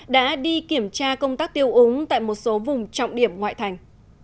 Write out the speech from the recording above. đã đi kiểm tra công tác tiêu úng tại một số vùng trọng điểm ngoại thành